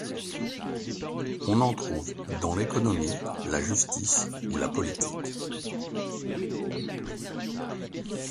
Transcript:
On en trouve dans l'économie, la justice ou la politique.